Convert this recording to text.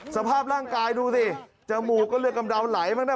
สภาพร่างกายดูสิจมูกก็เลือดกำเดาไหลบ้างนะ